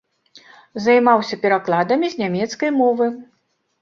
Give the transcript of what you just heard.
Займаўся перакладамі з нямецкай мовы.